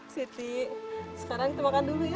siti sekarang kita makan dulu ya